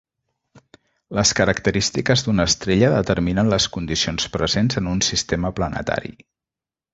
Les característiques d'una estrella determinen les condicions presents en un sistema planetari.